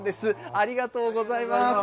ありがとうございます。